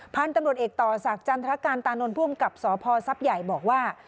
พันธุ์ตำรวจเอกต่อศักดิ์จันทรการตานนท์ผู้อำกับสพท์ใหญ่บอกว่า